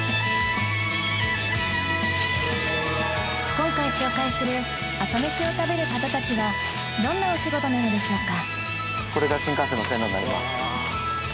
今回紹介する朝メシを食べる方たちはどんなお仕事なのでしょうか？